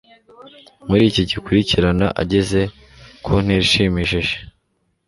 muriki gikurikirana ageze ku ntera ishimishije